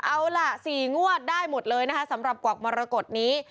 เอาล่ะ๔งวดได้หมดเลยนะคะสำหรับกวักมรกฏนี้